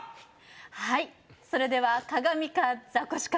はいそれでは鏡か？